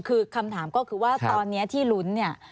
คือคำถามก็คือว่าตอนนี้ที่ลุ้นเนี่ย